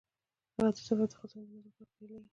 د هغه سفر د خزانې د موندلو لپاره پیلیږي.